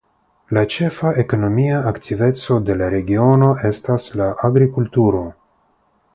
La ĉefa ekonomia aktiveco de la regiono estas la agrikulturo.